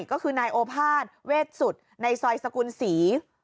ก็คือนายโอภาษเวทสุดในซอยสกุลศรี